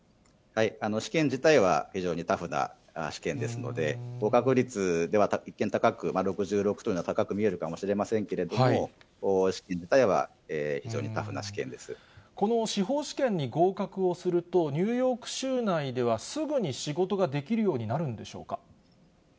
試験自体は非常にタフな試験ですので、合格率では一見高く見えるかもしれませんけれども、この司法試験に合格をすると、ニューヨーク州内ではすぐに仕事ができるようになるんでしょうか。